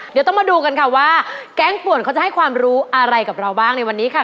เดี๋ยวต้องมาดูกันค่ะว่าแก๊งป่วนเขาจะให้ความรู้อะไรกับเราบ้างในวันนี้ค่ะ